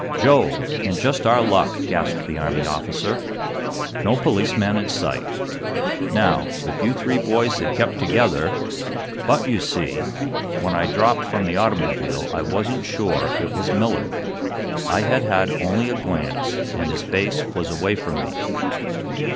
"Jove! and just our luck!" gasped the Army officer. "No policeman in sight! Now, if you three boys had kept together " "But, you see, when I dropped from the automobile, I wasn't sure it was Millard. I had had only a glance, and his face was away from me."